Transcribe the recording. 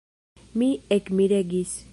Mi ekmiregis.